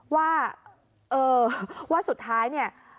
ว่าเออว่าสุดท้ายเนี่ย